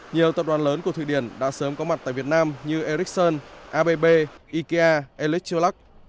nhiều tập đoàn lớn của thụy điển đã sớm có mặt tại việt nam như ericsson abb ikea electiullag